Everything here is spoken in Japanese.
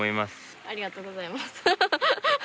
ありがとうございます。